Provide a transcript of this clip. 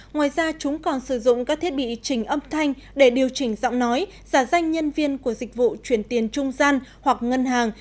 ngoài ra chúng còn sử dụng các thiết bị chỉnh âm thanh để điều chỉnh giọng nói giả danh nhân viên của dịch vụ chuyển tiền trung gian hoặc ngân hàng